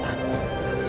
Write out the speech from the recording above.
sekarang aku menjadi buddha